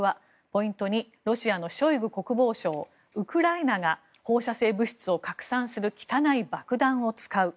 ポイント２ロシアのショイグ国防相ウクライナが放射性物質を拡散する汚い爆弾を使う。